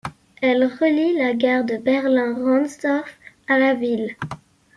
Elle relie la gare de Berlin-Rahnsdorf à la ville.